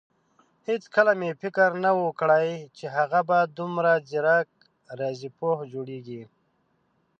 هيڅکله مې فکر نه وو کړی چې هغه به دومره ځيرک رياضيپوه جوړېږي.